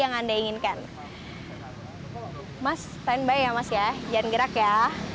mas standby ya mas ya jangan gerak ya